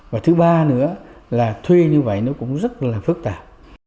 và thứ ba nữa là thuê như vậy nó cũng rất là phức tạp